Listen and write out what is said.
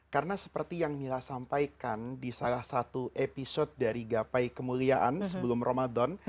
karena seperti yang mila sampaikan di salah satu episode dari gapai kemuliaan sebelum ramadhan